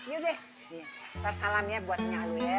yuk deh ntar salam ya buatnya lu ya